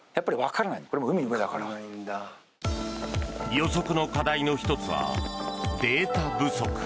予測の課題の１つはデータ不足。